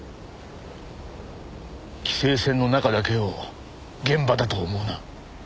規制線の中だけを現場だと思うな。